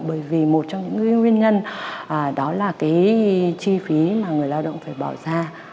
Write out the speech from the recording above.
bởi vì một trong những nguyên nhân đó là cái chi phí mà người lao động phải bỏ ra